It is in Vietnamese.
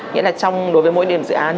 nghĩa là đối với mỗi điểm dự án